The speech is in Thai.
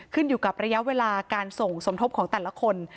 ขึ้นอยู่กับระยะเวลาการส่งสมทบของแต่ละคน